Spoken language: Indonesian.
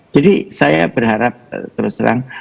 jadi saya berharap terus terang